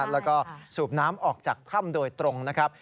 แล้วก็สูบน้ำออกจากถ้ำโดยตรงนะครับ